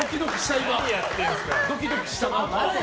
ドキドキした、今。